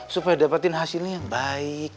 supaya dapetin hasilnya yang baik